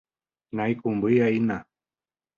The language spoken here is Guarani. Nantendeihína.